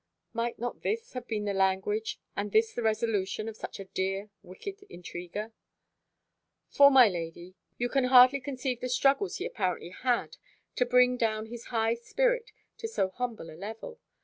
Might not this have been the language, and this the resolution, of such a dear wicked intriguer? For, my lady, you can hardly conceive the struggles he apparently had to bring down his high spirit to so humble a level.